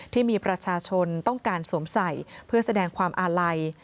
ที่มีประชาชนต้องการสวมใส่เพื่อแสดงความอาลัย